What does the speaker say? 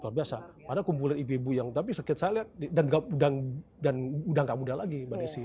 luar biasa padahal kumpulan ibu ibu yang tapi saya lihat dan udah gak muda lagi mbak desi